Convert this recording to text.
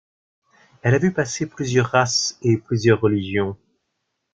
Elle a vu passer plusieurs races et plusieurs religions.